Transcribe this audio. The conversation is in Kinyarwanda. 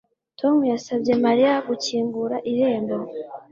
Tom yasabye Mariya gukingura irembo